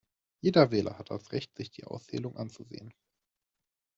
Jeder Wähler hat das Recht, sich die Auszählung anzusehen.